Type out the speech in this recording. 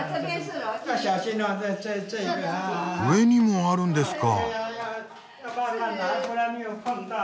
上にもあるんですか。